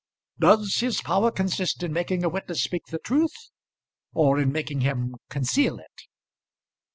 "Does his power consist in making a witness speak the truth, or in making him conceal it?"